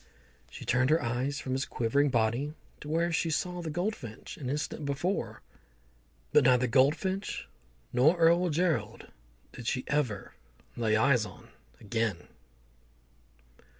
She turned her eyes from his quivering body to where she saw the goldfinch an instant before, but neither goldfinch nor Earl Gerald did she ever lay eyes on again.